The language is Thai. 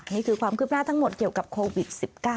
นี่คือความคืบหน้าทั้งหมดเกี่ยวกับโควิด๑๙